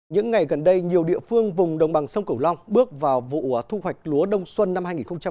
những ngày gần đây nhiều địa phương vùng đồng bằng sông cửu long bước vào vụ thu hoạch lúa đông xuân năm hai nghìn một mươi chín hai nghìn hai mươi